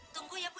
tunggu ya bu